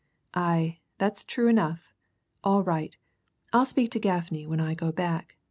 "Aye, that's true enough. All right I'll speak to Gaffney, when I go back.